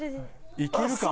いけるか？